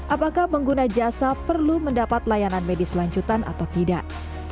apakah pengguna jasa perlu mendapat layanan medis lanjutan atau tidak